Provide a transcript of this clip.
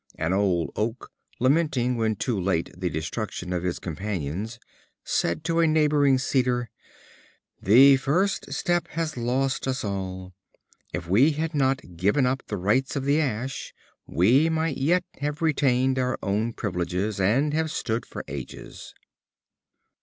An old oak, lamenting when too late the destruction of his companions, said to a neighboring cedar: "The first step has lost us all. If we had not given up the rights of the ash, we might yet have retained our own privileges and have stood for ages."